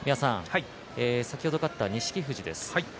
先ほど勝った錦富士です。